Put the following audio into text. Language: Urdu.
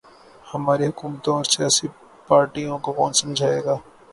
ہماری حکومتوں اور سیاسی پارٹیوں کو کون سمجھائے گا۔